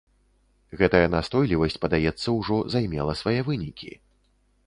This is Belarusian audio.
Гэтая настойлівасць, падаецца, ужо займела свае вынікі.